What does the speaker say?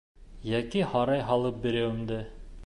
Йәки һарай һалып биреүемде?